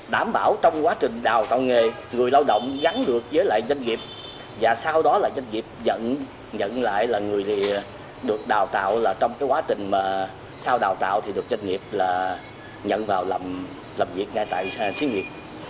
đảm bảo trong quá trình đào tạo nghề người lao động gắn được với lại doanh nghiệp và sau đó là doanh nghiệp nhận lại là người được đào tạo trong quá trình sau đào tạo thì được doanh nghiệp là nhận vào làm việc ngay tại xí nghiệp